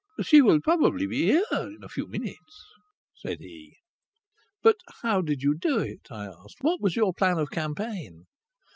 "She will probably be here in a few minutes," said he. "But how did you do it?" I asked. "What was your plan of campaign?"